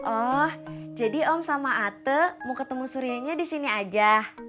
oh jadi om sama ate mau ketemu suryanya di sini aja